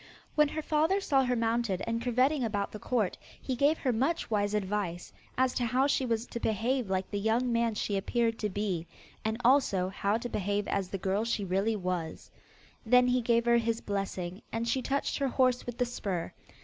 When her father saw her mounted and curvetting about the court, he gave her much wise advice, as to how she was to behave like the young man she appeared to be, and also how to behave as the girl she really was. Then he gave her his blessing, and she touched her horse with the spur.